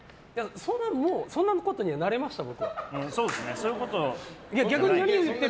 そんなことには慣れました、僕。